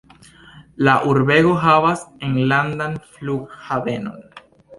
La urbego havas enlandan flughavenon.